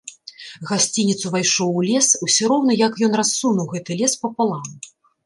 Гасцінец увайшоў у лес, усё роўна як ён рассунуў гэты лес папалам.